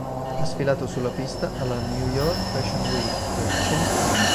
Ha sfilato sulla pista alla New York Fashion Week per "Celestino".